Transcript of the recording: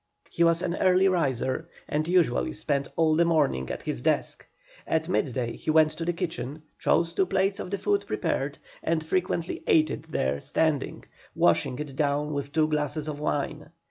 He was an early riser, and usually spent all the morning at his desk. At mid day he went to the kitchen, chose two plates of the food prepared, and frequently ate it there standing, washing it down with two glasses of wine.